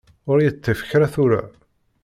Ur y-iṭṭif kra tura.